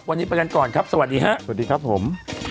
วันนี้ไปกันก่อนครับสวัสดีครับสวัสดีครับผม